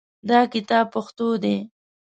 دا کتاب پښتو دی